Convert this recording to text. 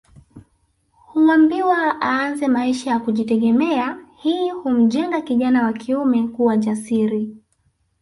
Huambiwa aanze maisha ya kujitegemea hii humjenga kijana wa kiume kuwa jasiri